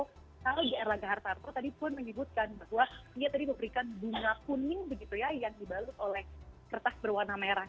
kalau di erlangga hartarto tadi puan menyebutkan bahwa dia tadi memberikan bunga kuning begitu ya yang dibalut oleh kertas berwarna merah